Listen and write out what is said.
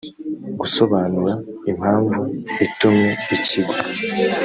gusobanura impamvu itumye ikigo